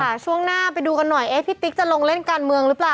ช่วงหน้าไปดูกันหน่อยเอ๊ะพี่ติ๊กจะลงเล่นการเมืองหรือเปล่า